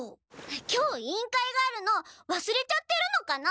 今日委員会があるのわすれちゃってるのかな？